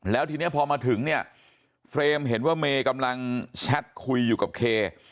แล้วทีนี้พอมาถึงเนี่ยเฟรมเห็นว่าเมย์กำลังแชทคุยอยู่กับเค